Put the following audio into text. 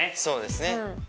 そうです